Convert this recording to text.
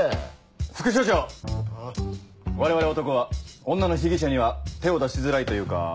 副署長我々男は女の被疑者には手を出しづらいというか。